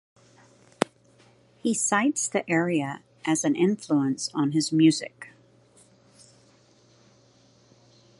He cites the area as an influence on his music.